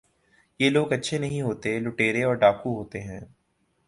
یہ لوگ اچھے نہیں ہوتے ، لٹیرے اور ڈاکو ہوتے ہیں ۔